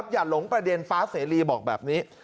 หลงประเด็นฟ้าเสรีบอกแบบนี้